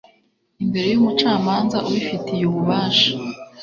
imbere y umucamanza ubifitiye ububasha